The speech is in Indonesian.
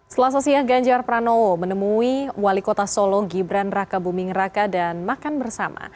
setelah sosial ganjar pranowo menemui wali kota solo gibran raka buming raka dan makan bersama